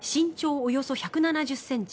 およそ１７０ｃｍ